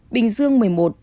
bình dương một mươi một